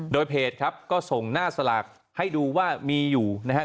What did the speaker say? โดยเพจครับก็ส่งหน้าสลากให้ดูว่ามีอยู่นะครับ